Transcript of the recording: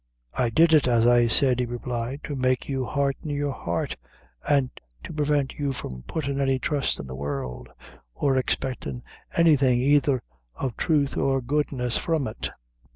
"I did it, as I said," he replied, "to make you harden your heart, an' to prevent you from puttin' any trust in the world, or expectin' anything either of thruth or goodness from it."